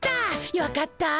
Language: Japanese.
よかった。